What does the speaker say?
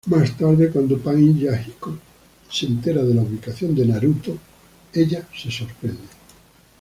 Más tarde, cuando Pain-Yahiko se entera la ubicación de Naruto ella se sorprende.